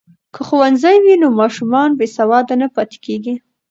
که ښوونځی وي نو ماشومان بې سواده نه پاتیږي.